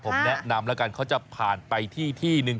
ผมแนะนำแล้วกันเขาจะผ่านไปที่ที่หนึ่ง